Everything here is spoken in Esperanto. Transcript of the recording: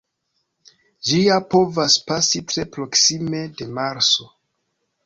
Ĝia povas pasi tre proksime de Marso.